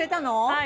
はい。